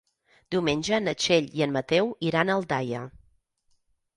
Diumenge na Txell i en Mateu iran a Aldaia.